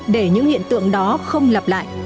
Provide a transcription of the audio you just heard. để những hiện tượng đó không lặp lại